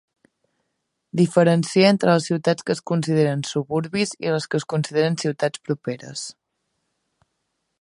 Diferencia entre les ciutats que es consideren suburbis i les que es consideren ciutats properes.